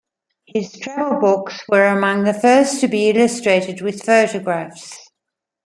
His travel books were among the first to be illustrated with photographs.